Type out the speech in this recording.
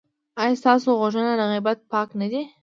ایا ستاسو غوږونه له غیبت پاک نه دي؟